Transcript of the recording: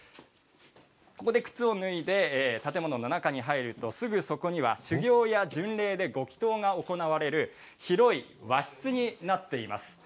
ここで靴を脱いで建物の中に入ると、すぐそこには修行や巡礼でご祈とうが行われる広い和室になっています。